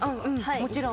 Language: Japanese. もちろん。